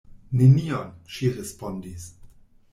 "Nenion," ŝi respondis.